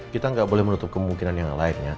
kita nggak boleh menutup kemungkinan yang lainnya